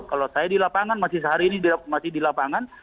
kalau saya di lapangan masih sehari ini masih di lapangan